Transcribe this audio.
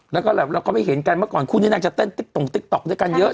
แล้วก็เราก็ไม่เห็นกันเมื่อก่อนคู่นี้นางจะเต้นติ๊กตรงติ๊กต๊อกด้วยกันเยอะ